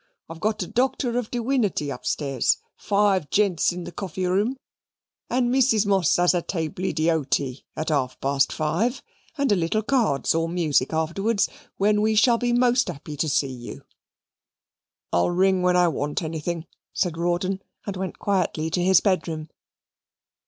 I've got a Doctor of Diwinity upstairs, five gents in the coffee room, and Mrs. Moss has a tably dy hoty at half past five, and a little cards or music afterwards, when we shall be most happy to see you." "I'll ring when I want anything," said Rawdon and went quietly to his bedroom.